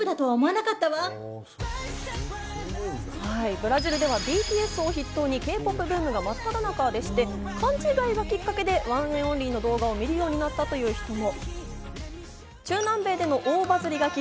ブラジルではＢＴＳを筆頭にＫ−ＰＯＰブームがまっただ中でして、勘違いがきっかｋでＯＮＥＮ’ＯＮＬＹの動画を見るようになったという人も。